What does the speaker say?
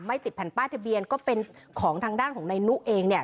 ติดแผ่นป้ายทะเบียนก็เป็นของทางด้านของนายนุเองเนี่ย